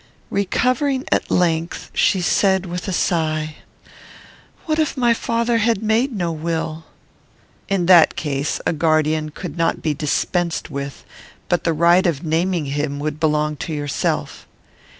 Recovering, at length, she said, with a sigh, "What if my father had made no will?" "In that case, a guardian could not be dispensed with, but the right of naming him would belong to yourself."